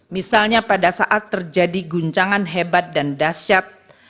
misalnya pada saat terjadi guncangan hebat dan dasyat